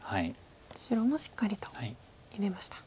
白もしっかりと入れました。